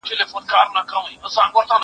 مړی نه ارزي، چي و ارزي کفن څيري.